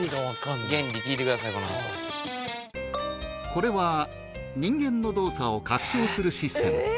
これは人間の動作を拡張するシステム